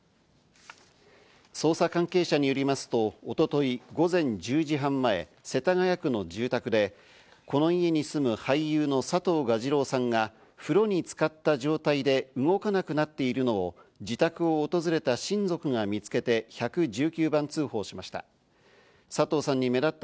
捜査関係者によりますと一昨日午前１０時半前、世田谷区の住宅で、この家に住む俳優の佐藤蛾次郎さんが風呂につかった状態で動かなくなっているのを自宅を訪れた親族が見つけて１１９番通報しました。